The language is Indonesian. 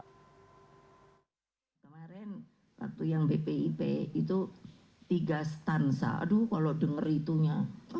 kemarin waktu yang bpip itu tiga stansa aduh kalau denger itunya